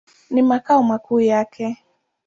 Ni makao makuu yake.